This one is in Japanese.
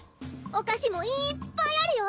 お菓子もいっぱいあるよ。